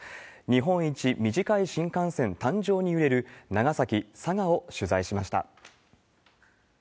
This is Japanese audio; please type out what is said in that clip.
日本一短い新幹線誕生に揺れる、長崎、佐賀を取材しました。